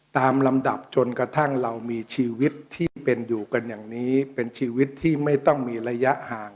ลำดับจนกระทั่งเรามีชีวิตที่เป็นอยู่กันอย่างนี้เป็นชีวิตที่ไม่ต้องมีระยะห่าง